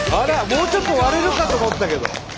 もうちょっと割れるかと思ったけど。